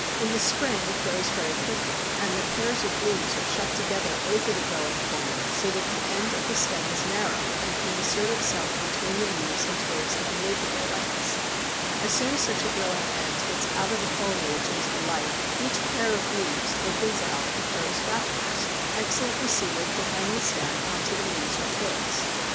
In the spring it grows very quickly, and the pairs of leaves are shut together over the growing point, so that the end of the stem is narrow and can insert itself between the leaves and twigs of the neighbouring plants. As soon as such a growing end gets out of the foliage into the light, each pair of leaves opens out and curves backwards, making a pair of broad, curved hooks excellently suited to hang the stem on to the leaves or twigs.